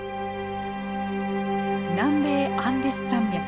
南米アンデス山脈。